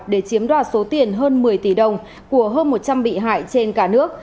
để chiếm đoạt số tiền hơn một mươi tỷ đồng của hơn một trăm linh bị hại trên cả nước